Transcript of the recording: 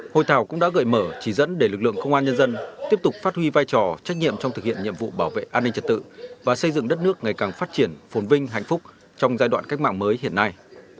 hội thảo cũng đã gợi mở chỉ dẫn để lực lượng công an nhân dân tiếp tục phát huy vai trò trách nhiệm trong thực hiện nhiệm vụ bảo vệ an ninh trật tự và xây dựng đất nước ngày càng phát triển phồn vinh hạnh phúc trong giai đoạn cách mạng mới hiện nay